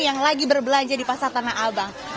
yang lagi berbelanja di pasar tanah abang